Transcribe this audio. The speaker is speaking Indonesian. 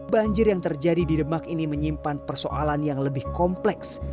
banjir yang terjadi di demak ini menyimpan persoalan yang lebih kompleks